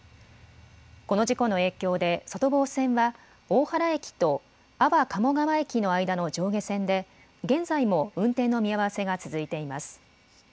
この事故の影響で外房線は大原駅と安房鴨川駅の間の上下線で現在も運転の見合わせが続いています。